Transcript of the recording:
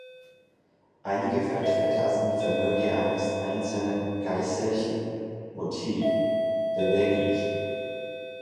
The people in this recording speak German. Einige Vertreter sind vermöge eines einzelnen Geißelchen motil (beweglich).